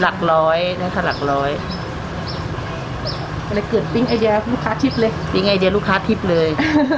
หลักร้อยนะคะหลักร้อยอะไรเกิดลูกค้าทิพย์เลยลูกค้าทิพย์เลย